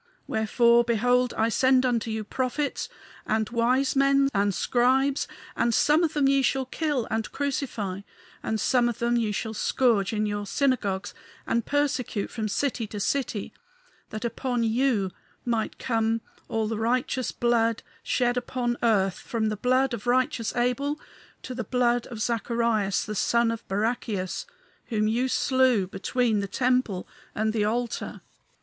Wherefore, behold, I send unto you prophets and wise men and scribes; and some of them ye shall kill and crucify, and some of them ye shall scourge in your synagogues and persecute from city to city. That upon you might come all the righteous blood shed upon earth, from the blood of righteous Abel to the blood of Zacharias, the son of Barachias, whom ye slew between the temple and the altar.